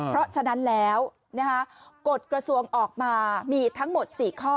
เพราะฉะนั้นแล้วกฎกระทรวงออกมามีทั้งหมด๔ข้อ